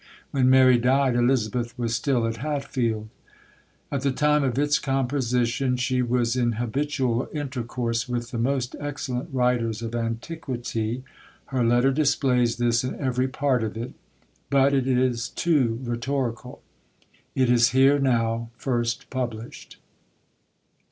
When Mary died, Elizabeth was still at Hatfield. At the time of its composition she was in habitual intercourse with the most excellent writers of antiquity: her letter displays this in every part of it; but it is too rhetorical. It is here now first published.